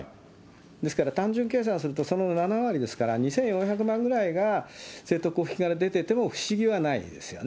ですから単純計算するとその７割ですから、２４００万ぐらいが政党交付金から出てても不思議はないですよね。